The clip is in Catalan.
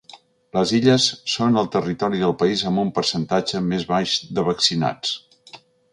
Les Illes són el territori del país amb un percentatge més baix de vaccinats.